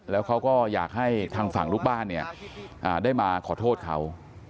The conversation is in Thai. แล้วเขาก็อยากให้ทางฝั่งลูกบ้านเนี่ยได้มาขอโทษเขา